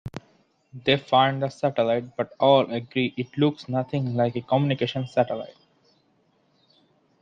They find the satellite but all agree it looks nothing like a communication satellite.